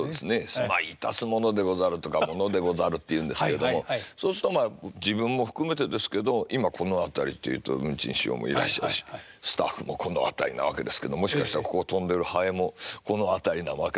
「住まいいたす者でござる」とか「者でござる」って言うんですけれどもそうするとまあ自分も含めてですけど今この辺りっていうと文珍師匠もいらっしゃるしスタッフもこの辺りなわけですけどもしかしたらここを飛んでるハエもこの辺りなわけですね。